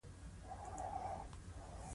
په ژړغوني ږغ يې ويل زه سر سپينومه.